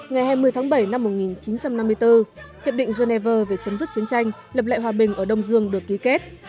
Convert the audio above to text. ngày hai mươi tháng bảy năm một nghìn chín trăm năm mươi bốn hiệp định geneva về chấm dứt chiến tranh lập lại hòa bình ở đông dương được ký kết